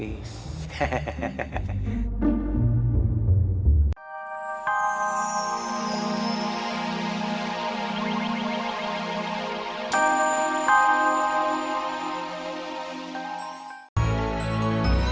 ih sama urutan sulitmu